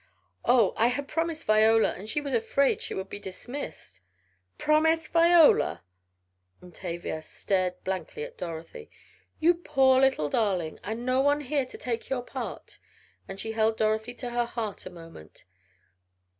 "Oh, I had promised Viola, and she was afraid she would be dismissed " "Promised Viola!" and Tavia stared blankly at Dorothy. "You poor little darling! And no one here to take your part!" and she held Dorothy to her heart a moment.